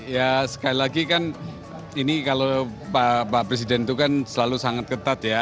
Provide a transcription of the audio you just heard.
ya sekali lagi kan ini kalau pak presiden itu kan selalu sangat ketat ya